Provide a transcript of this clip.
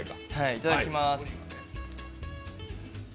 いただきます。